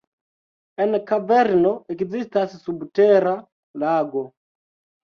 En kaverno ekzistas subtera lago.